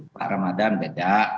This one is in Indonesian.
pak ramadhan beda